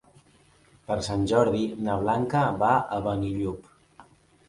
Per Sant Jordi na Blanca va a Benillup.